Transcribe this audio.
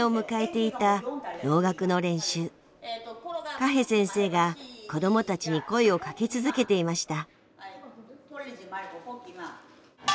カヘ先生が子どもたちに声をかけ続けていました。